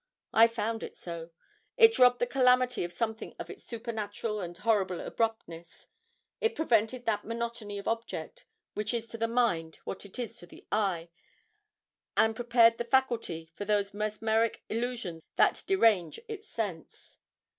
I found it so. It robbed the calamity of something of its supernatural and horrible abruptness; it prevented that monotony of object which is to the mind what it is to the eye, and prepared the faculty for those mesmeric illusions that derange its sense.